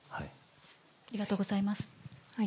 ありがとうございます。